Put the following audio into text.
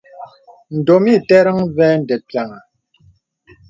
Ndōm iterəŋ və̀ mde piàŋha.